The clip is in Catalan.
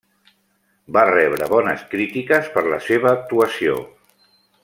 Va rebre bones crítiques per la seva actuació.